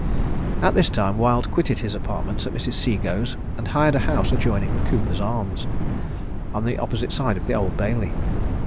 At this time Wild quitted his apartments at Mrs. Seagoe's, and hired a house adjoining to the Coopers' Arms, on the opposite side of the Old Bailey.